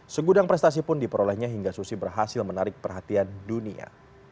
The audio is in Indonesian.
segudang prestasi pun diperolehnya hingga susi berhasil menarik perhatian dunia